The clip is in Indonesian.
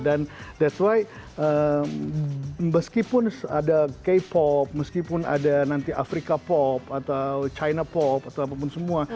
dan that's why meskipun ada k pop meskipun ada nanti afrika pop atau china pop atau apapun semua